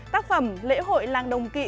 tác phẩm lễ hội làng đồng kỵ